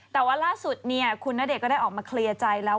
แต่ว่าล่าสุดเนี่ยคุณณเดชนก็ได้ออกมาเคลียร์ใจแล้ว